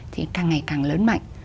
thì càng ngày càng lớn mạnh